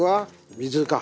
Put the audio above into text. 水か。